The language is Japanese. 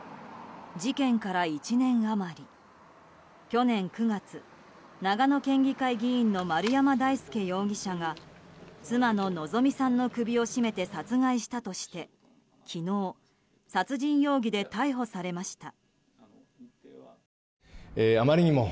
去年９月、長野県議会議員の丸山大輔容疑者が妻の希美さんの首を絞めて殺害したとして昨日、殺人容疑で逮捕されました。